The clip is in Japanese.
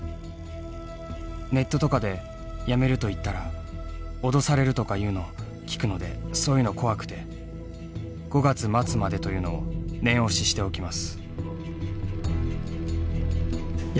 「ネットとかで辞めると言ったら脅されるとか言うのを聞くのでそう言うの怖くて５月末までと言うのを念押ししておきます」。